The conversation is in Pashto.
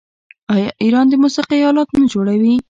آیا ایران د موسیقۍ الات نه جوړوي؟